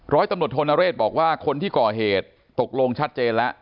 ร้อยตำรวจโทนเรศบอกว่าคนที่ก่อเหตุตกลงชัดเจนแล้ว